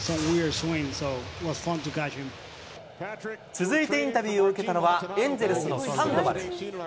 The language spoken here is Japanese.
続いてインタビューを受けたのは、エンゼルスのサンドバル。